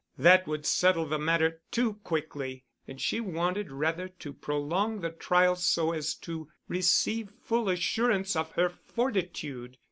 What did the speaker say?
That would settle the matter too quickly, and she wanted rather to prolong the trial so as to receive full assurance of her fortitude.